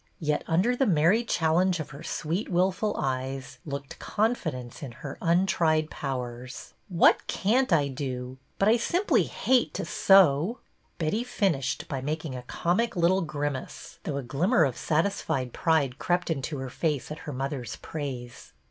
Yet under the merry challenge of her sweet wilful eyes looked confidence in her untried pow ers. ''What can't I do? But I simply hate to sew!" Betty finished by making a comic little grim ''IN TIGHT PAPERS" 5 ace, though a glimmer of satisfied pride crept into her face at her mother's praise.